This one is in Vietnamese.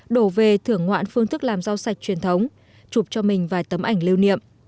đổ về thưởng ngoạn phương thức làm rau sạch truyền thống chụp cho mình vài tấm ảnh lưu niệm